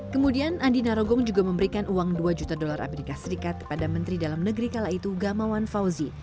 kemudian andi narogong juga memberikan uang dua juta dolar amerika serikat kepada menteri dalam negeri kala itu gamawan fauzi